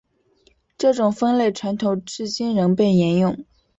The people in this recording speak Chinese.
这种分类传统至今仍被沿用。